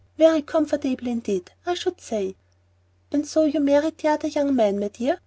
"Very comfortable indeed, I should say." "And so you married the other young man, my dear?"